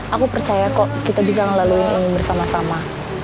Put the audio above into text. aku percaya kok kita bisa ngelaluin ini bersama sama